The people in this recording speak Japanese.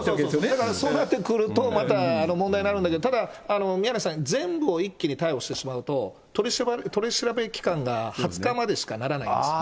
だから、そうなってくると、また問題になるんだけど、ただ宮根さん、全部を一気に逮捕してしまうと、取り調べ期間が２０日までしかならないんです。